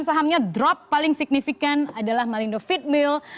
dan sahamnya drop paling signifikan adalah malindo feed mill